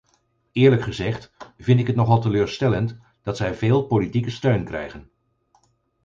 Eerlijk gezegd vind ik het nogal teleurstellend dat zij veel politieke steun krijgen.